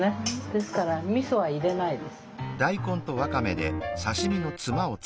ですからみそは入れないです。